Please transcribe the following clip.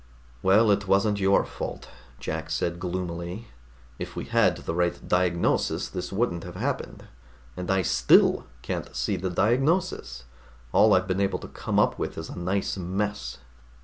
"Well, it wasn't your fault," Jack said gloomily. "If we had the right diagnosis, this wouldn't have happened. And I still can't see the diagnosis. All I've been able to come up with is a nice mess."